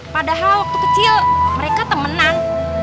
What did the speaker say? padahal waktu kecil mereka temenan